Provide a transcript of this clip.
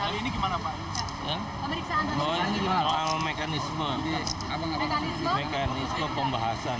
bawah ini mengalami mekanisme pembahasan